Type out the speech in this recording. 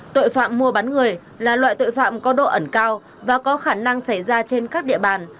tội phạm mua bán người là loại tội phạm có độ ẩn cao và có khả năng xảy ra trên các địa bàn